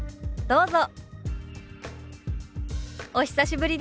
どうぞ。